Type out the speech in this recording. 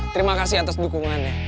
terima kasih atas dukungannya